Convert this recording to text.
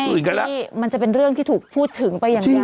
ที่มันจะเป็นเรื่องที่ถูกพูดถึงไปอย่างไร